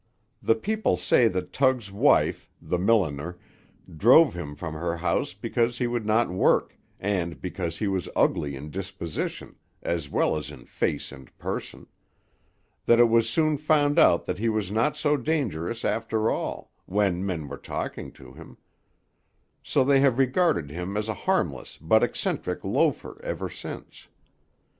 The people say that Tug's wife, the milliner, drove him from her house because he would not work, and because he was ugly in disposition, as well as in face and person; that it was soon found out that he was not so dangerous, after all, when men were talking to him, so they have regarded him as a harmless but eccentric loafer ever since.